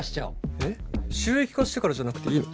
えっ？収益化してからじゃなくていいの？